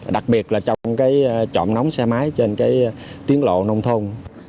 đặc biệt là trong cái trộm nóng xe máy trên cái tiến lộ nông thôn